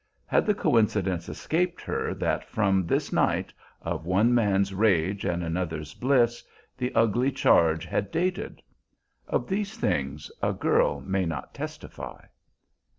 Had the coincidence escaped her that from this night, of one man's rage and another's bliss, the ugly charge had dated? Of these things a girl may not testify.